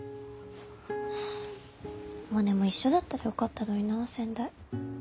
モネも一緒だったらよかったのになぁ仙台。